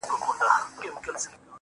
ما پر اوو دنياوو وسپارئ، خبر نه وم خو.